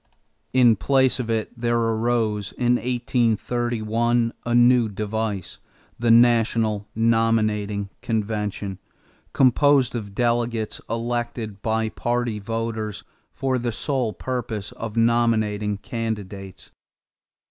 In place of it there arose in 1831 a new device, the national nominating convention, composed of delegates elected by party voters for the sole purpose of nominating candidates.